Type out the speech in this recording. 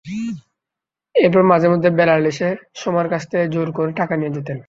এরপর মাঝেমধ্যে বেলাল এসে সোমার কাছ থেকে জোর করে টাকা নিয়ে যেতেন।